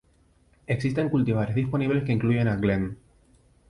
Existen cultivares disponibles que incluyen a 'Glenn'.